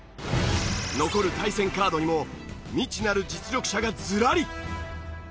残る対戦カードにも未知なる実力者がずらり。